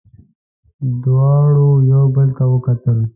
دواړو یو بل ته وکتل.